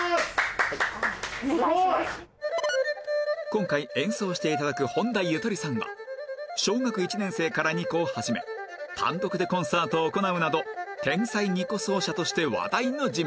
今回演奏して頂く本多ゆとりさんは小学１年生から二胡を始め単独でコンサートを行うなど天才二胡奏者として話題の人物